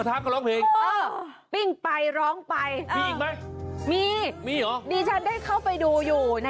อยากลองบ้างเหมือนกันน่ะ